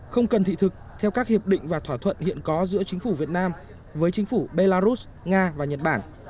không cần thị thực theo các hiệp định và thỏa thuận hiện có giữa chính phủ việt nam với chính phủ belarus nga và nhật bản